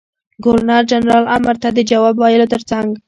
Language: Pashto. ګورنر جنرال امر ته د جواب ویلو تر څنګ.